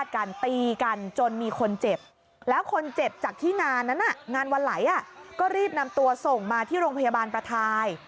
ก็รีบนำตัวส่งมาที่โรงพยาบาลประทาย